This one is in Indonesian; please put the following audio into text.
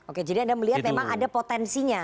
oke jadi anda melihat memang ada potensinya